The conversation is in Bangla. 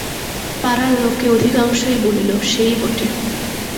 পাড়ার লোকে অধিকাংশই বলিল, সেই বটে।